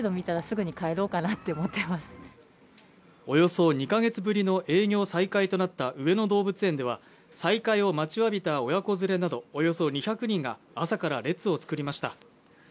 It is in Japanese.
およそ２ヶ月ぶりの営業再開となった上野動物園では再開を待ちわびた親子連れなどおよそ２００人が朝から列を作りました